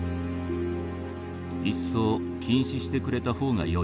一層禁止してくれた方がよい。